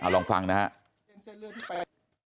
ลองฟังนะครับ